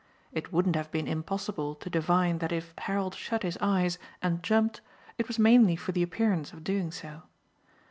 It wouldn't have been impossible to divine that if Harold shut his eyes and jumped it was mainly for the appearance of doing so.